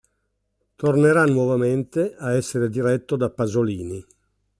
Tornerà nuovamente a essere diretto da Pasolini.